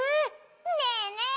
ねえねえ。